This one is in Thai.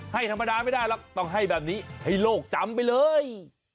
ให้ธรรมดาไม่ได้หรอกต้องให้แบบนี้ให้โลกจำไปเลย